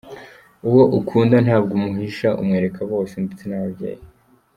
Uwo ukunda ntabwo umuhisha umwereka bose ndetse n’ababyeyi.